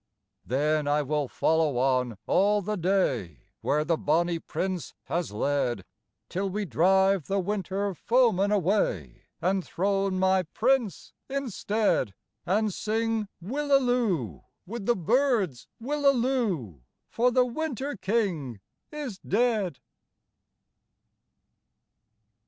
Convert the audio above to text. Then I will follow on all the day Where the bonnie Prince has led, Till we drive the Winter foeman away And throne my Prince instead: And sing willaloo! With the birds, willaloo! For the Winter King is dead.